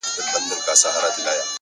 ه بيا دي په سرو سترگو کي زما ياري ده،